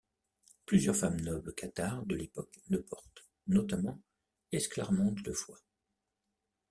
Plusieurs femmes nobles cathares de l'époque le portent, notamment Esclarmonde de Foix.